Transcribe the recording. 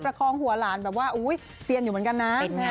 คองหัวหลานแบบว่าอุ๊ยเซียนอยู่เหมือนกันนะ